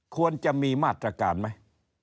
ควรจะมีมาตรการไหม